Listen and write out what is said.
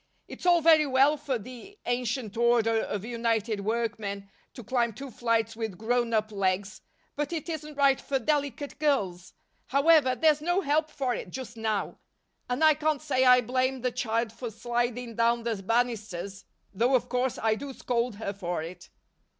It's all very well for the Ancient Order of United Workmen to climb two flights with grown up legs, but it isn't right for delicate girls. However, there's no help for it just now, and I can't say I blame the child for sliding down the banisters, though of course I do scold her for it."